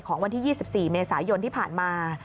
วันที่๒๔เมษายนที่ผ่านมา